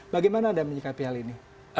bagaimana anda menyikapi hal ini